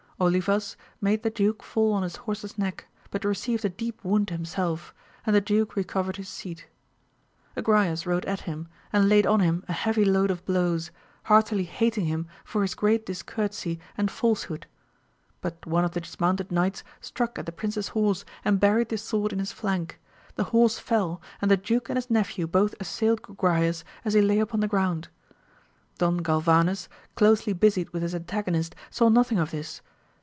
Olivas made the duke fall on his horse's neck, but received a deep wound himself, and the duke recovered his seat. Agra yes rode at him, and laid on him a heavy load of blows, heartily hating him for his great discourtesy and false hood; but one of the dismounted knights struck at the prince's horse, and buried the sword in his flank : the horse fell, and the duke and his nephew both assailed Agrayes as he lay upon the ground. Don Galvanes, closely busied with his antagonist, saw nothing of this.